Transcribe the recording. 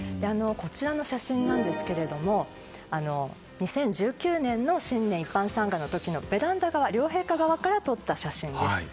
こちらの写真なんですけれども２０１９年の新年一般参賀の時のベランダ側、両陛下側から撮った写真です。